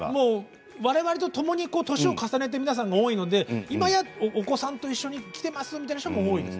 われわれとともに年を重ねてる皆さん多いので今やお子さんと一緒に来てますという方も多いです。